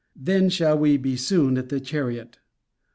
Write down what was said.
Then shall we be soon at the chariot.